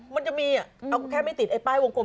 มันจะมีเอาแค่ไม่ติดไอ้ป้ายวงกลม